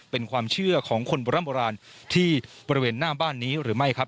เป็นความเชื่อของคนโบราณโบราณที่บริเวณหน้าบ้านนี้หรือไม่ครับ